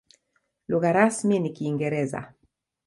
Lugha rasmi ni Kiingereza.